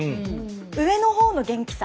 上の方の元気さ。